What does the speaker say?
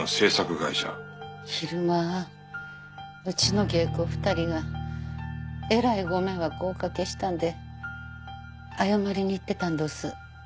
昼間うちの芸妓２人がえらいご迷惑をおかけしたんで謝りに行ってたんどす。